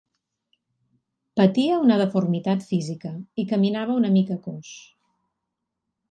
Patia una deformitat física, i caminava una mica coix.